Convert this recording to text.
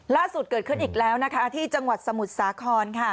ล่าสุดเกิดขึ้นอีกแล้วนะคะที่จังหวัดสมุทรสาครค่ะ